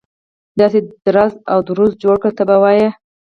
داسې درز او دروز جوړ کړي ته به وایي.